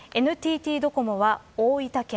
ＮＴＴドコモは大分県